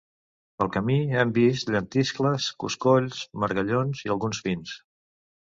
Pel camí hem vist llentiscles, coscolls, margallons i alguns pins.